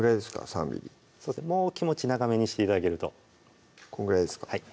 ３ｍｍもう気持ち長めにして頂けるとこのぐらいですか？